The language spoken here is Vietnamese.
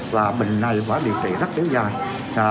và bệnh này phải điều trị rất đều dài